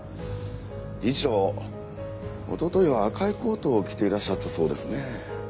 理事長おとといは赤いコートを着ていらっしゃったそうですね。